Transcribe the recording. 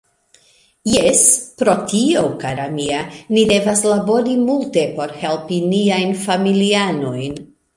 Jes, pro tio kara mia, ni devas labori multe por helpi niajn familianojn.